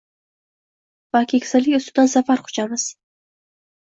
va keksalik ustidan zafar quchamiz.